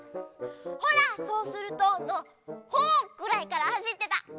「ほらそうすると」の「ほ」ぐらいからはしってた。